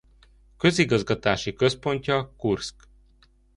Közigazgatási központja Kurszk.